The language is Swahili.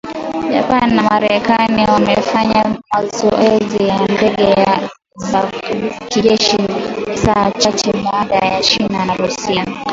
Japan na Marekani wamefanya mazoezi ya ndege za kijeshi saa chache baada ya China na Russia